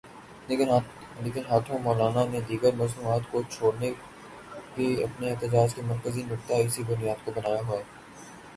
لگے ہاتھوں مولانا نے دیگر موضوعات کو چھوڑ کے اپنے احتجاج کا مرکزی نکتہ اسی بنیاد کو بنایا ہے۔